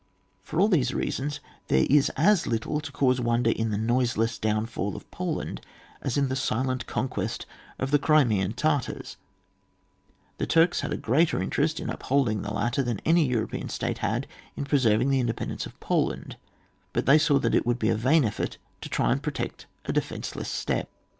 For all these reasons there is as little to cause wonder in the noiseless downfall of Poland as in the silent conquest of the Crimean Tartars; the Turks had a greater in terest in upholding the latter than any European state had in preserving the independence of Poland, but they saw that it would be a vain effort to try to protect a defenceless steppe.